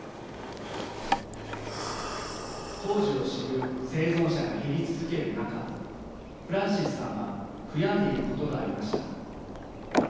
当時を知る生存者が減り続ける中フランシスさんは悔やんでいることがありました。